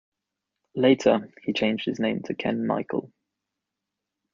Later, he changed his name to Kenn Michael.